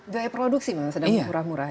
biaya produksi sedang murah murah ya